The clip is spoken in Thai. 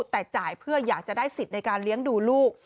แต่จ่ายเพื่ออยากจะได้สิทธิ์ในการเลี้ยงดูลูก